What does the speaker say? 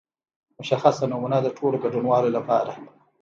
مشخصه نمونه د ټولو ګډونوالو لپاره.